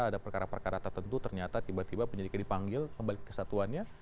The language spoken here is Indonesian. ada perkara perkara tertentu ternyata tiba tiba penyidiknya dipanggil kembali ke satuannya